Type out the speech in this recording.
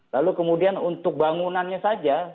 lalu kemudian untuk bangunannya saja